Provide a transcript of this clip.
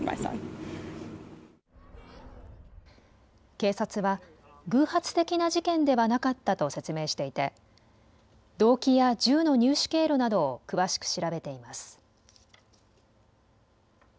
警察は偶発的な事件ではなかったと説明していて動機や銃の入手経路などを詳しく調べています。